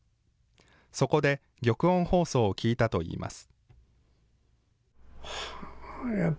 そこで玉音放送を聴いたといいます。